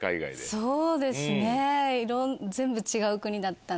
そうですね全部違う国だったんで。